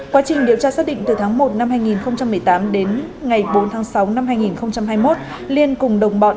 quá trình điều tra xác định từ tháng một năm hai nghìn một mươi tám đến ngày bốn tháng sáu năm hai nghìn hai mươi một liên cùng đồng bọn